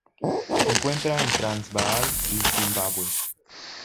Se encuentra en Transvaal y Zimbabue